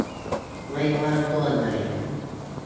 ไม่ว่าช่วงใด